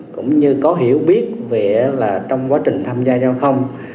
cũng như có hiểu biết về là trong quá trình tham gia giao thông